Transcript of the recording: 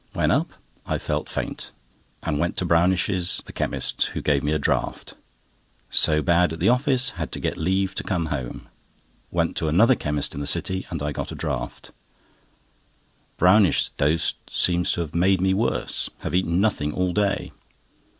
When up, I felt faint, and went to Brownish's, the chemist, who gave me a draught. So bad at the office, had to get leave to come home. Went to another chemist in the City, and I got a draught. Brownish's dose seems to have made me worse; have eaten nothing all day.